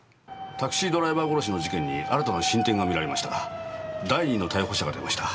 タクシードライバー殺しの事件に新たな進展がみられましたが第二の逮捕者が出ました。